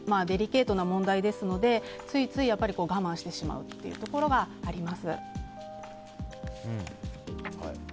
デリケートな問題ですのでついつい我慢してしまうというところがあります。